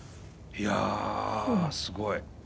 いやすごい。